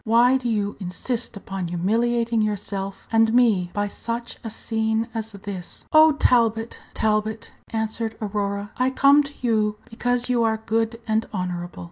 Why do you insist upon humiliating yourself and me by such a scene as this?" "Oh, Talbot, Talbot!" answered Aurora, "I come to you because you are good and honorable.